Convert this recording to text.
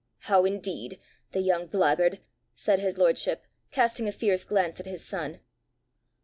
"How indeed! the young blackguard!" said his lordship, casting a fierce glance at his son.